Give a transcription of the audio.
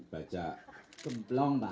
baca gemplong pak